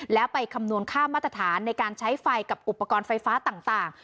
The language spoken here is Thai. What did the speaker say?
แล้วไปคำนวณค่ามาตรฐานในการใช้ไฟกับอุปกรณ์ไฟฟ้าต่าง